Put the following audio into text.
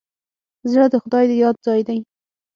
زړه د خدای د یاد ځای دی.